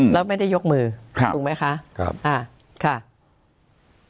แล้วไม่ได้ยกมือถูกไหมคะครับ